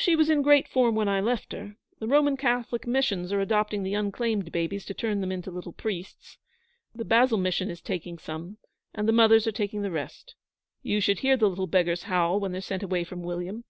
'She was in great form when I left her. The Roman Catholic Missions are adopting the unclaimed babies to turn them into little priests; the Basil Mission is taking some, and the mothers are taking the rest. You should hear the little beggars howl when they're sent away from William.